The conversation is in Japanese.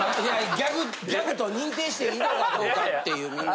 ギャグギャグと認定していいのかどうかっていう。